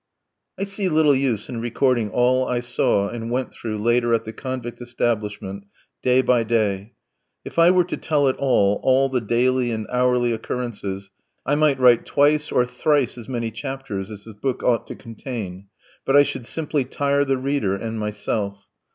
I see little use in recording all I saw and went through later at the convict establishment day by day. If I were to tell it all, all the daily and hourly occurrences, I might write twice or thrice as many chapters as this book ought to contain, but I should simply tire the reader and myself.